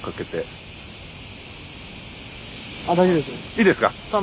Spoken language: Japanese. いいですか？